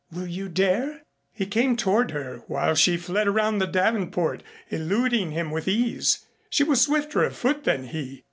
Will you dare?" He came toward her while she fled around the davenport, eluding him with ease. She was swifter of foot than he.